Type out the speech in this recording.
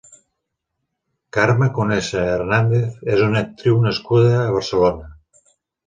Carme Conesa Hernández és una actriu nascuda a Barcelona.